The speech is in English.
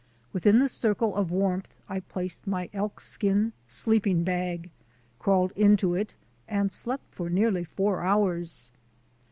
Within the circle of warmth I placed my elkskin sleeping bag, crawled into it, and slept for nearly four hours.